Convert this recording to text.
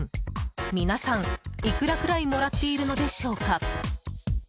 皆さん、いくらくらいもらっているのでしょうか？